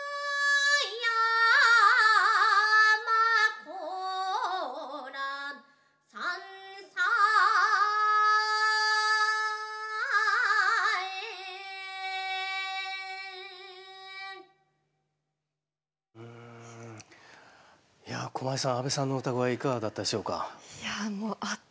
駒井さん阿部さんの唄声いかがだったでしょうか。